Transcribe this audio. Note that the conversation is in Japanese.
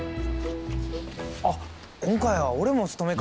あっ今回は俺もお勤めか？